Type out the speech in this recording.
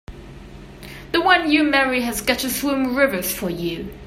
The one you marry has got to swim rivers for you!